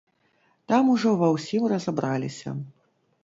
Там ужо ва ўсім разабраліся.